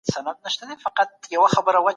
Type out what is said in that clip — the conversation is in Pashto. کله به حکومت رسمي سفر په رسمي ډول وڅیړي؟